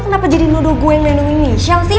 kenapa jadi nodo gue yang lindungi michelle sih